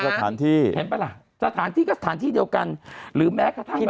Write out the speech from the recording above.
สถานที่เห็นปะล่ะสถานที่ก็สถานที่เดียวกันหรือแม้กระทั่ง